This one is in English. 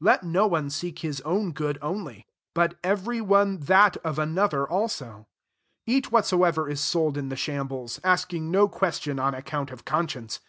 24 Let no one seek his own good only ^ but 1 CORINTHIANS XI. £83 Tvery one that of anpther aiso. 25 Eat whatsoever is sold in the shambles, asking no ques tion on account of conscience.